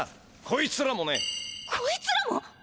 こいつらもね。こいつらも？